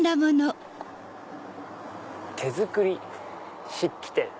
「手造り漆器店」。